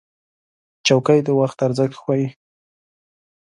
چوکۍ د وخت ارزښت ښووي.